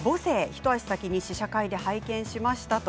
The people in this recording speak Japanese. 一足先に試写会で拝見しました。